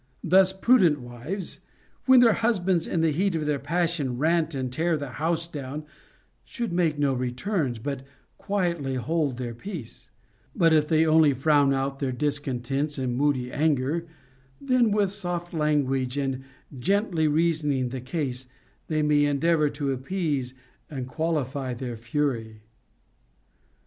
Thus prudent wives, when their husbands in the heat of their passion rant and tear the house down, should make no returns, but quietly hold their peace ; but if they only frown out their discontents in moody anger, then, with soft language and gently reasoning the case, they may en deavor to appease and qualify their fury.